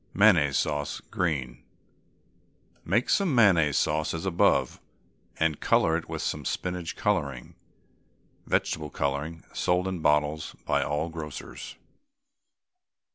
MAYONNAISE SAUCE, GREEN. Make some mayonnaise sauce as above, and colour it with some spinach colouring (vegetable colouring, sold in bottles by all grocers).